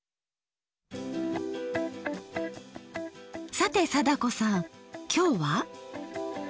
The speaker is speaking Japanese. さて貞子さんきょうは？